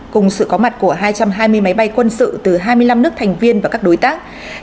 cùng sự có mặt của hai trăm hai mươi máy bay quân sự từ hai mươi năm nước thành viên và các đối tác